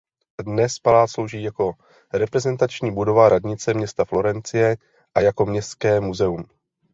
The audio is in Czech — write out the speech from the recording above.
Dnes palác slouží jako reprezentační budova radnice města Florencie a jako městské muzeum.